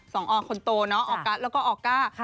สองออร์คนโตแล้วก็ออกก้า